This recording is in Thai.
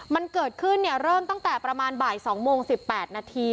มันเกิดขึ้นเริ่มตั้งแต่ประมาณบ่าย๒โมง๑๘นาที